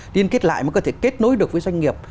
liên kết lại mới có thể kết nối được với doanh nghiệp